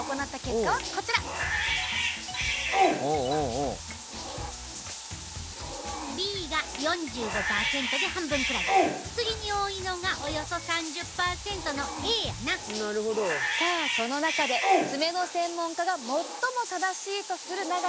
さあこの中で爪の専門家が最も正しいとする長さは？